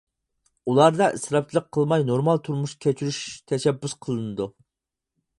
ئۇلاردا ئىسراپچىلىق قىلماي، نورمال تۇرمۇش كەچۈرۈش تەشەببۇس قىلىنىدۇ.